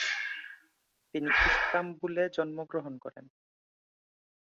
তিনি ইস্তাম্বুল এ জন্মগ্রহণ করেন।